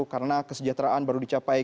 karena kesejahteraan baru dicapai